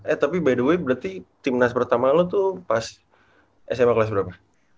eh tapi by the way berarti timnas pertama lo tuh pas sma kelas berapa